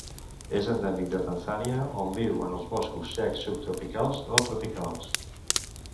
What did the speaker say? És endèmic de Tanzània, on viu en els boscos secs subtropicals o tropicals.